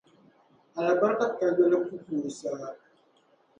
Alibarika kayoli ku pooi saa.